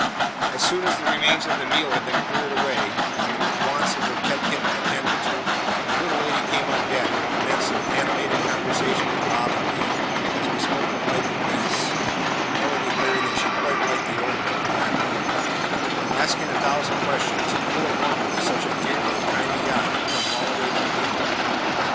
As soon as the remains of the meal had been cleared away, and the wants of her pet kitten attended to, the little lady came on deck and commenced an animated conversation with Bob and me, as we smoked the pipe of peace (Ella declaring that she quite liked the odour of tobacco), asking a thousand questions, and full of wonder that such a "dear little tiny yacht" had come all the way from England.